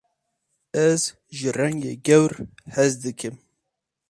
Ez ji rengê gewr hez dikim.